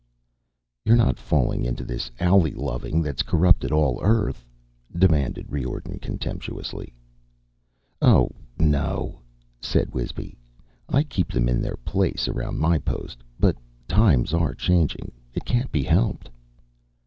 "You're not falling into this owlie loving that's corrupted all Earth?" demanded Riordan contemptuously. "Oh, no," said Wisby. "I keep them in their place around my post. But times are changing. It can't be helped."